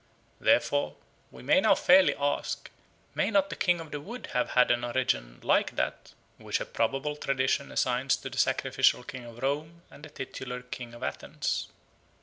Therefore we may now fairly ask, May not the King of the Wood have had an origin like that which a probable tradition assigns to the Sacrificial King of Rome and the titular King of Athens?